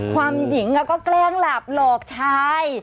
ความหญิงก็แกล้งหลับหลอกชาย